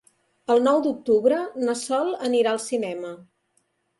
El nou d'octubre na Sol anirà al cinema.